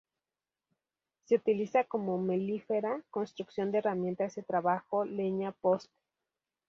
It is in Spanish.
Se utiliza como melífera, construcción de herramientas de trabajo, leña, poste.